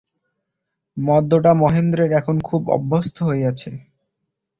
মদ্যটা মহেন্দ্রের এখন খুব অভ্যস্ত হইয়াছে।